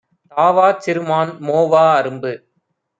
தாவாச் சிறுமான், மோவா அரும்பு!